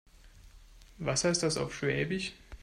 Was heißt das auf Schwäbisch?